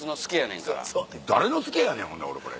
誰の助やねんほんで俺これ。